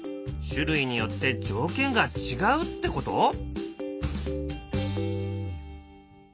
種類によって条件が違うってこと？